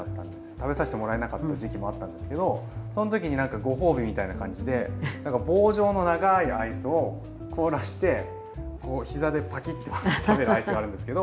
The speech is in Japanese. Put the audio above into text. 食べさせてもらえなかった時期もあったんですけどその時になんかご褒美みたいな感じで棒状の長いアイスを凍らして膝でパキッて割って食べるアイスがあるんですけど。